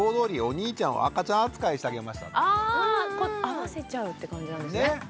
あ合わせちゃうって感じなんですね。